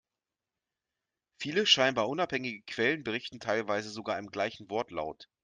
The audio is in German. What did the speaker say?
Viele scheinbar unabhängige Quellen, berichten teilweise sogar im gleichen Wortlaut.